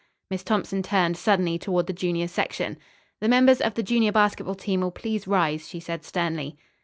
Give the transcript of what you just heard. Miss Thompson turned suddenly toward the junior section. "The members of the junior basketball team will please rise," she said sternly.